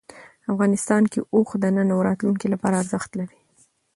افغانستان کې اوښ د نن او راتلونکي لپاره ارزښت لري.